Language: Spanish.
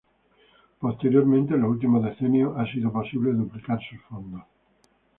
Posteriormente, en los últimos decenios, ha sido posible duplicar sus fondos.